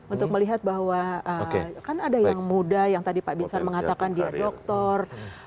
untuk melihat bahwa kan ada yang muda yang tadi pak binsar mengatakan dia dokter